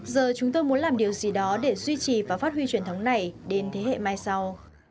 giờ chúng tôi muốn làm điều gì đó để duy trì và phát huy truyền thống này đến thế hệ mai sau